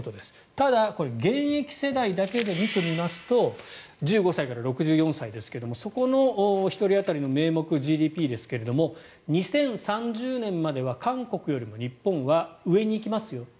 ただ現役世代だけで見てみますと１５歳から６４歳ですがそこの１人当たりの名目ＧＤＰですけれども２０３０年までは韓国よりも日本は上に行きますよ。